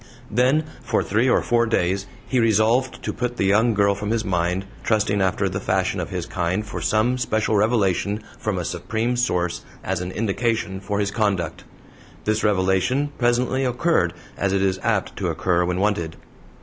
Then for three or four days he resolved to put the young girl from his mind, trusting after the fashion of his kind for some special revelation from a supreme source as an indication for his conduct. This revelation presently occurred, as it is apt to occur when wanted.